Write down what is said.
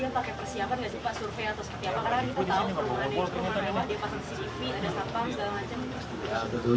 pak kalau perampokan seperti ini